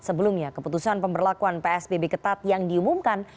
sebelumnya keputusan pemberlakuan psbb ketat yang diumumkan